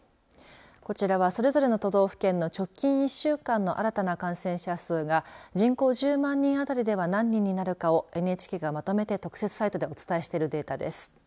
こちらはそれぞれの都道府県の直近１週間の新たな感染者数が人口１０万人あたりでは何人になるかをＮＨＫがまとめて特設サイトでお伝えしているデータです。